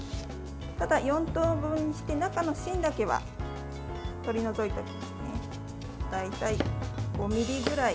ただ４等分にして、中の芯だけは取り除いてください。